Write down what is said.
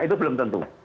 itu belum tentu